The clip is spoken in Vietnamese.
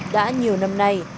đã nhiều năm nay